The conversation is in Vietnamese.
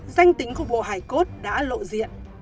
danh tính của bộ hải cốt đã lộ diện